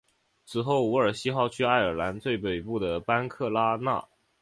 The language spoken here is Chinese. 此后伍尔西号去爱尔兰最北部的班克拉纳。